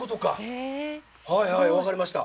はいはいわかりました。